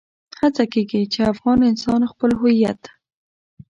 هڅه کېږي چې افغان انسان خپل هويت.